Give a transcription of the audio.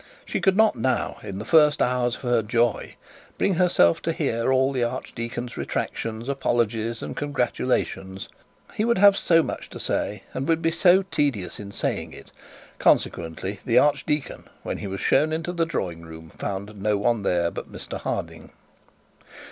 She could not now, in the first hours of her joy, bring herself to bear all the archdeacon's retractions, apologies, and congratulations. He would have so much to say, and would be so tedious in saying it; consequently, the archdeacon, when he was shown into the drawing room, found on one there but Mr Harding.'